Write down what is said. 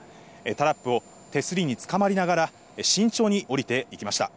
タラップを手すりにつかまりながら、慎重に降りていきました。